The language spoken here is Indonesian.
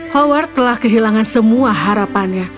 howard telah kehilangan semua harapannya